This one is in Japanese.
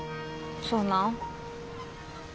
そうなん？